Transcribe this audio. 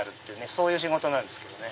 そういう仕事なんですけどね。